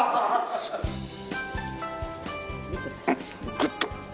グッと。